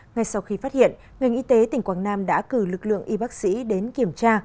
ngay sau khi phát hiện ngành y tế tỉnh quảng nam đã cử lực lượng y bác sĩ đến kiểm tra